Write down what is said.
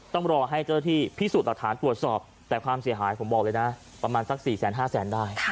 ต้องรอให้เจ้าที่พิสูจน์หลักฐานตรวจสอบแต่ความเสียหายผมบอกเลยนะประมาณสัก๔๕แสนได้